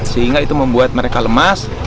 sehingga itu membuat mereka lemas